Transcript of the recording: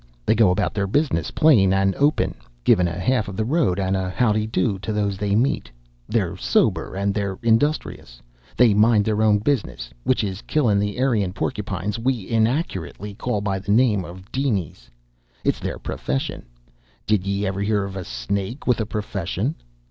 They go about their business plain and open, givin' a half of the road and a how'd'y do to those they meet. They're sober and they're industrious. They mind their own business, which is killin' the Eirean porcupines we inaccurate call by the name of dinies. It's their profession! Did yea ever hear of a snake with a profession?